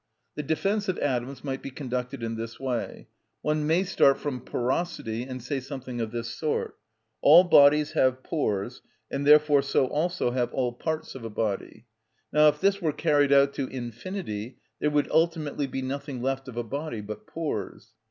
The defence of atoms might be conducted in this way. One may start from porosity and say something of this sort: All bodies have pores, and therefore so also have all parts of a body: now if this were carried out to infinity, there would ultimately be nothing left of a body but pores.